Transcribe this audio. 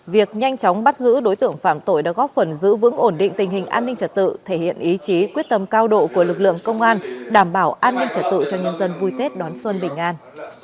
việc nhanh chóng bắt giữ đối tượng phạm tội đã góp phần giữ vững ổn định tình hình an ninh trật tự thể hiện ý chí quyết tâm cao độ của lực lượng công an đảm bảo an ninh trở tự cho nhân dân vui tết đón xuân bình an